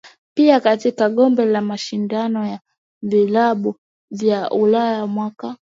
Pia katika kombe la mashindano ya vilabu vya Ulaya mwaka